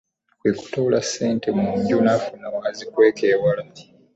Kwe kutoola ku ssente mu nju n'afuna w'azikweka ewala.